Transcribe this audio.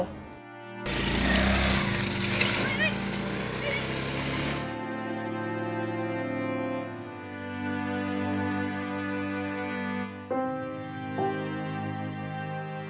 จริง